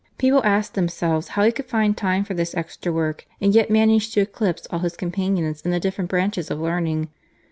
People asked themselves how he could find time for this extra work, and yet manage to eclipse all his companions in the different branches of learning.